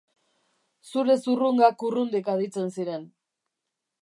Zure zurrungak urrundik aditzen ziren.